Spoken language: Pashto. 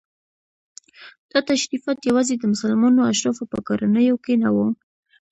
دا تشریفات یوازې د مسلمانو اشرافو په کورنیو کې نه وو.